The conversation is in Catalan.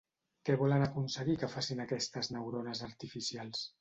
Què volen aconseguir que facin aquestes neurones artificials?